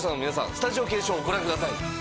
スタジオ検証をご覧ください。